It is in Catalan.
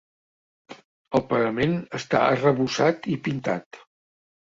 El parament està arrebossat i pintat.